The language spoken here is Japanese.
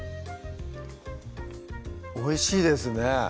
おいしいですね